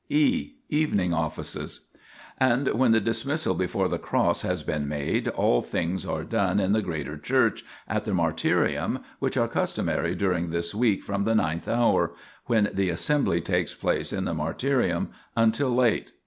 (e) Evening Offices. And when the dismissal before the Cross has been made, all things are done in the greater church, at the martyrium, which are customary during this week from the ninth hour 3 when the assembly takes place in the martyrium until late.